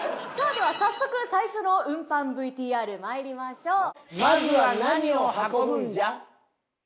では早速最初の運搬ＶＴＲ参りましょう。